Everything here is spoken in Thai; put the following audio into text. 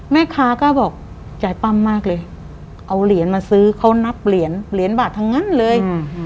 แม่ค้าก็บอกใจปั้มมากเลยเอาเหรียญมาซื้อเขานับเหรียญเหรียญบาททั้งนั้นเลย